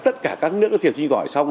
tất cả các nước thiền sinh giỏi xong